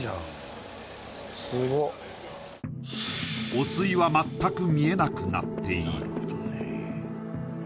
汚水は全く見えなくなっている